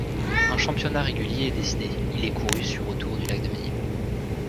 Un championnat régulier est décidé, il est couru sur autour du lac Daumesnil.